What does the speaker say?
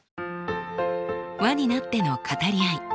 輪になっての語り合い。